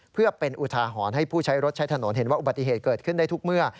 เพื่อเป็นอุทาหรณ์ให้ผู้ใช้รถใช้ถนนเห็นว่าอุบัติเหตุเกิดขึ้นได้ทุกเมื่อ